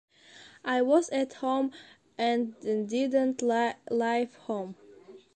I was at home and didn’t leave home.